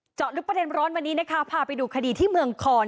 เจาะลึกประเด็นร้อนวันนี้นะคะพาไปดูคดีที่เมืองคอน